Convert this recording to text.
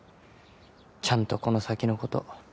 ちゃんとこの先のこと。